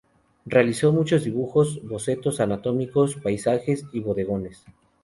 Realizó muchos dibujos, bocetos anatómicos, paisajes, bodegones.